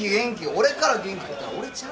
俺から元気取ったら俺ちゃうから。